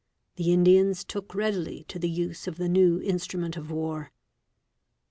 The Indians took readily to the use of © 'the new instrument of war.